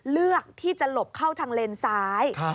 เลือกที่จะหลบเข้าทางเลนซ้าย